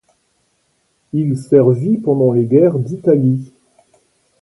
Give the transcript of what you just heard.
Il servit pendant les Guerres d'Italie.